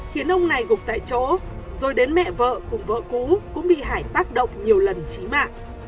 khiến ông này gục tại chỗ rồi đến mẹ vợ cùng vợ cũ cũng bị hải tác động nhiều lần chí mạng